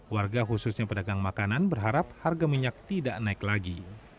warga khususnya pedagang makanan berharap harga minyak tidak naik lagi